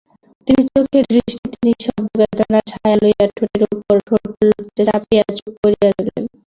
তিনি চোখের দৃষ্টিতে নিঃশব্দ বেদনার ছায়া লইয়া ঠোঁটের উপর ঠোঁট চাপিয়া চুপ করিয়া রহিলেন।